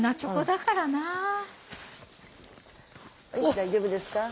大丈夫ですか？